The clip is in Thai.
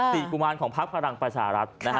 สี่กุมาลของพักภักดิ์ฝรั่งประชารัฐ